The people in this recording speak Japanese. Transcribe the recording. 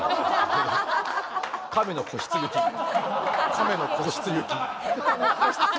カメの個室行き。